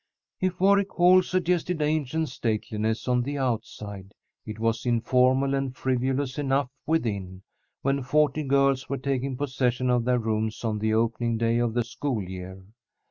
If Warwick Hall suggested ancient stateliness on the outside, it was informal and frivolous enough within, when forty girls were taking possession of their rooms on the opening day of the school year.